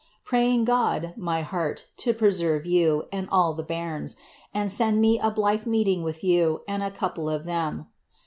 Praying God, my heart, to preserve you, and all the bcdrns, and send me a blyth meeting with you, and a couple of them.